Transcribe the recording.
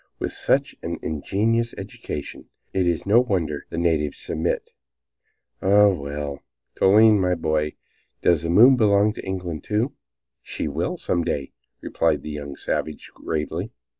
with such an ingenious education it is no wonder the natives submit. Ah, well, Toline, my boy, does the moon belong to England, too?" "She will, some day," replied the young savage, gravely.